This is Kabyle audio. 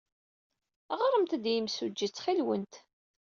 Ɣremt-d i yimsujji, ttxil-went.